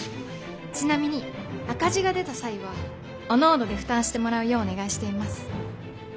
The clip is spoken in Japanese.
ちなみに赤字が出た際はおのおので負担してもらうようお願いしています。